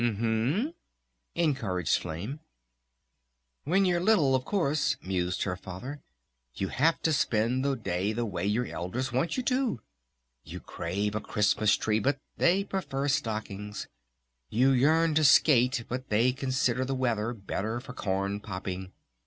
"U m m," encouraged Flame. "When you're little, of course," mused her Father, "you have to spend the day the way your elders want you to!... You crave a Christmas Tree but they prefer stockings! You yearn to skate but they consider the weather better for corn popping!